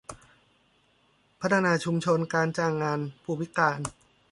พัฒนาชุมชนการจ้างงานผู้พิการ